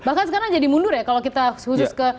bahkan sekarang jadi mundur ya kalau kita khusus ke